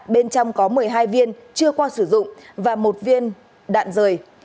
bên trong có một mươi hai viên chưa qua sử dụng và một viên đạn rời